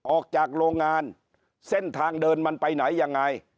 ออกจากโรงงานเส้นทางเดินมันไปไหนยังไง